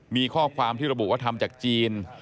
มีข้อความที่ระบุว่าทำจากจีน